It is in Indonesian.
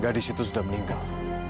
gadis itu sudah meninggal